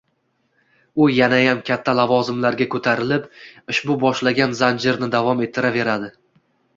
U yanayam katta lavozimlarga ko‘tarilib, ushbu boshlangan zanjirni davom ettiraveradi.